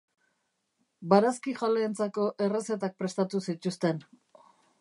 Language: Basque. Barazkijaleentzako errezetak prestatu zituzten.